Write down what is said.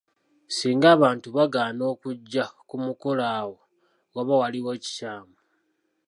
Singa abantu bagaana okujja ku mukolo awo waba waliwo ekikyamu.